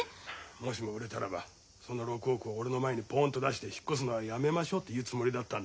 もしも売れたらばその６億を俺の前にポンと出して引っ越すのはやめましょうって言うつもりだったんだ。